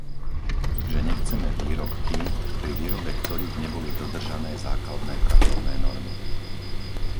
Že nechceme výrobky, pri výrobe ktorých neboli dodržané základné pracovné normy!